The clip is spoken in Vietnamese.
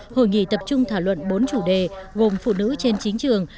hội nghị tập trung thảo luận bốn chủ đề gồm phụ nữ trên chính trường